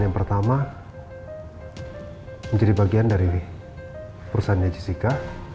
yang pertama menjadi bagian dari perusahaan yajisika